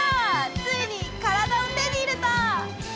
ついに体を手に入れた！